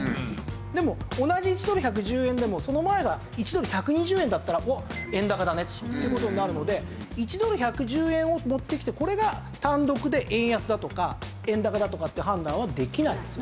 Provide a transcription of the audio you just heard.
でも同じ１ドル１１０円でもその前が１ドル１２０円だったらおっ円高だねとそういう事になるので１ドル１１０円を持ってきてこれが単独で円安だとか円高だとかっていう判断はできないです。